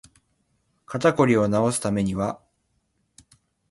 肩こりを治すためには